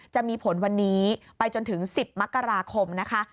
จะมีผลวันนี้ไปจนถึง๑๐มกราคมนะคะ